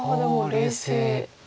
冷静。